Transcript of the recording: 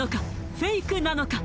フェイクなのか？